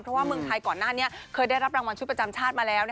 เพราะว่าเมืองไทยก่อนหน้านี้เคยได้รับรางวัลชุดประจำชาติมาแล้ว